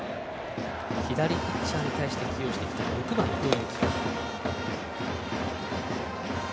左ピッチャーに対して起用してきた６番の伊藤裕季也。